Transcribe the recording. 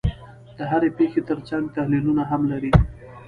د هرې پېښې ترڅنګ تحلیلونه هم لري.